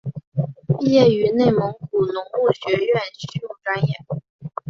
毕业于内蒙古农牧学院畜牧专业。